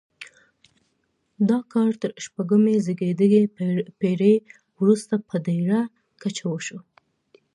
دا کار تر شپږمې زېږدیزې پیړۍ وروسته په ډیره کچه وشو.